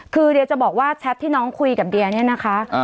คือเดียจะบอกว่าแชทที่น้องคุยกับเดียเนี่ยนะคะ